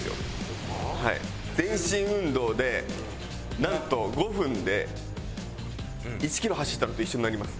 全身運動でなんと５分で１キロ走ったのと一緒になります。